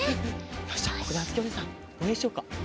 よしじゃあここであづきおねえさんおうえんしよっか。